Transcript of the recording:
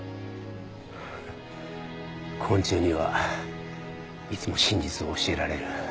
昆虫にはいつも真実を教えられる。